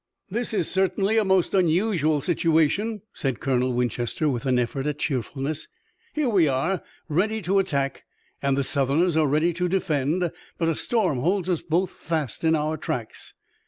"This is certainly a most unusual situation," said Colonel Winchester, with an effort at cheerfulness. "Here we are, ready to attack, and the Southerners are ready to defend, but a storm holds us both fast in our tracks.